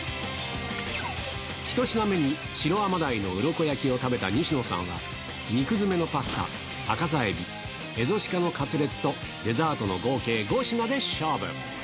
１品目に白甘鯛の鱗焼を食べた西野さんは、肉詰めのパスタ、赤座海老、蝦夷鹿のカツレツと、デザートの合計５品で勝負。